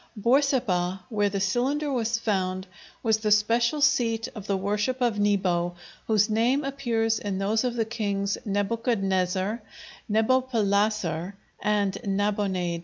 Borsippa, where the cylinder was found, was the special seat of the worship of Nebo, whose name appears in those of the kings Nebuchadnezzar, Nebopalasser, and Nabonaid.